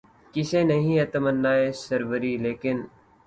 کسے نہیں ہے تمنائے سروری ، لیکن